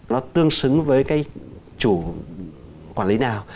nó tương xứng với chủ quản lý nào